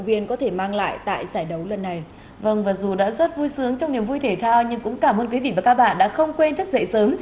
vâng và dù đã rất vui sướng trong niềm vui thể thao nhưng cũng cảm ơn quý vị và các bạn đã không quên thức dậy sớm